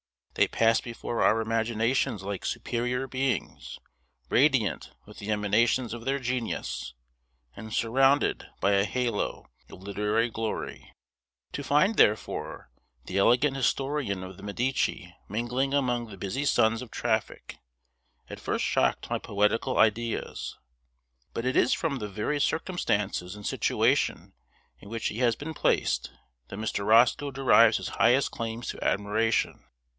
They pass before our imaginations like superior beings, radiant with the emanations of their genius, and surrounded by a halo of literary glory. To find, therefore, the elegant historian of the Medici mingling among the busy sons of traffic, at first shocked my poetical ideas; but it is from the very circumstances and situation in which he has been placed, that Mr. Roscoe derives his highest claims to admiration.